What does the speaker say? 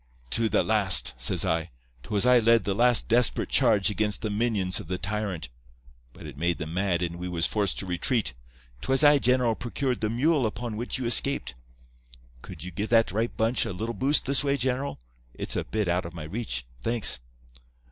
"'To the last,' says I. ''Twas I led the last desperate charge against the minions of the tyrant. But it made them mad, and we was forced to retreat. 'Twas I, general, procured the mule upon which you escaped. Could you give that ripe bunch a little boost this way, general? It's a bit out of my reach. Thanks.